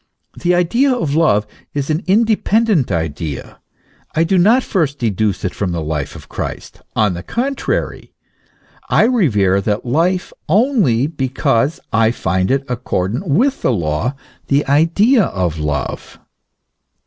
The idea of love is an independent idea ; I do not first deduce it from the life of Christ ; on the contrary, I revere that life only because I find it accordant with the law, the idea of love.